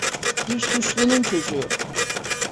Bir suçlunun çocuğu!